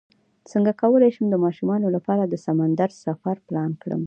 څنګه کولی شم د ماشومانو لپاره د سمندر سفر پلان کړم